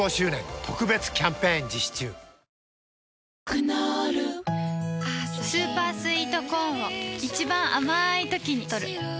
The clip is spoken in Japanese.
クノールスーパースイートコーンを一番あまいときにとる